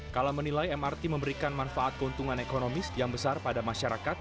kala menilai mrt memberikan manfaat keuntungan ekonomis yang besar pada masyarakat